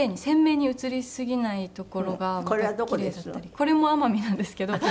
これも奄美なんですけど。